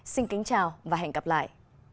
xin chào và hẹn gặp lại